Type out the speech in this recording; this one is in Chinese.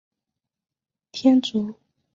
天竺大将棋狮子的升级棋。